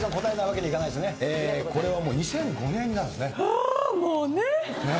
これはもう２００５年になるんですね。